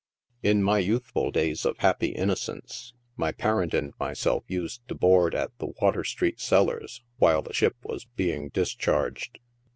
In my youthful days of happy innocence, my parent and myself used to board at the Water street cellars while the ship was being discharged.